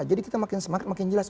jadi kita semakin semangat makin jelas